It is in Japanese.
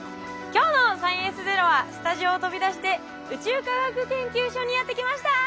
今日の「サイエンスＺＥＲＯ」はスタジオを飛び出して宇宙科学研究所にやって来ました！